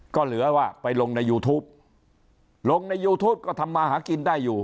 ก็เหลือว่าไปลงในยูทูปลงในยูทูปก็ทำมาหากินได้อยู่